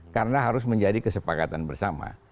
karena harus menjadi kesepakatan bersama